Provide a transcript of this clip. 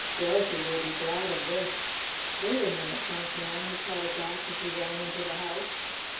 " Dorothy will be glad of this! Wait a minute, junk man!" he called back as he ran into the house.